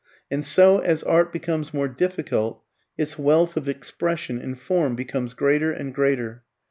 And so as art becomes more difficult, its wealth of expression in form becomes greater and greater.